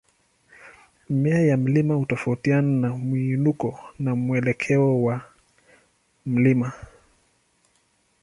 Mimea ya mlima hutofautiana na mwinuko na mwelekeo wa mlima.